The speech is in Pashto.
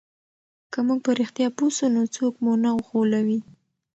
که موږ په رښتیا پوه سو نو څوک مو نه غولوي.